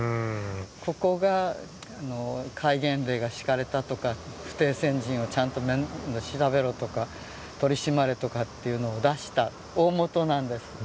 ここが戒厳令が敷かれたとか不逞鮮人を調べろとか取り締まれとかいうのを出した大元なんです。